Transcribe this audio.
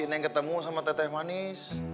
neng ketemu sama teteh manis